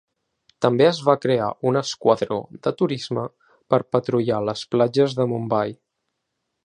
També es va crear un esquadró de turisme per patrullar les platges de Mumbai.